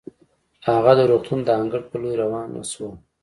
هغه د روغتون د انګړ په لورې روانه شوه.